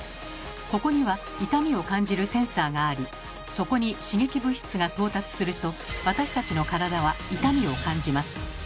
ここには痛みを感じるセンサーがありそこに刺激物質が到達すると私たちの体は痛みを感じます。